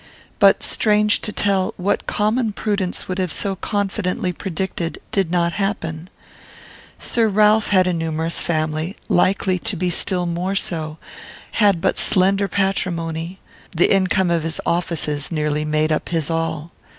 "But, strange to tell, what common prudence would have so confidently predicted did not happen. Sir Ralph had a numerous family, likely to be still more so; had but slender patrimony; the income of his offices nearly made up his all.